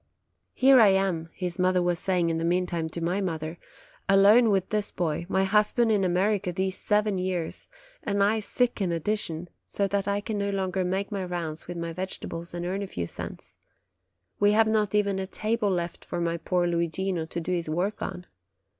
"Here I am," his mother was saying in the meantime to my mother, "alone with this boy, my husband in THE SCHOOL 17 America these seven years, and I sick in addition, so that I can no longer make my rounds with my vege tables, and earn a few cents. We have not even a table left for my poor Luigino to do his work on.